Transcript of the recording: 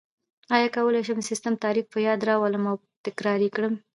آیا کولای شئ د سیسټم تعریف په یاد راولئ او تکرار یې کړئ؟